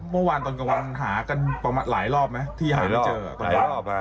เมื่อวานตอนกลางวันหากันประมาณหลายรอบไหมที่หายแล้ว